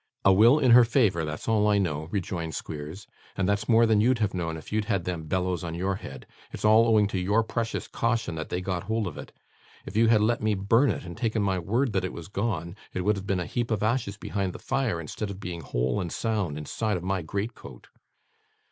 'A will in her favour; that's all I know,' rejoined Squeers, 'and that's more than you'd have known, if you'd had them bellows on your head. It's all owing to your precious caution that they got hold of it. If you had let me burn it, and taken my word that it was gone, it would have been a heap of ashes behind the fire, instead of being whole and sound, inside of my great coat.